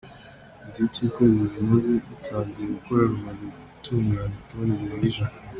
Mu gihe cy’ukwezi rumaze rutangiye gukora, rumaze gutunganya toni zirenga ijana.